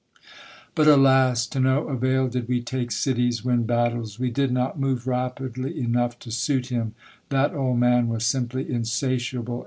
"' But, alas ! to no avail did we take cities, win battles. We did not move rapidly enough to suit him. That old man was simply insatiable.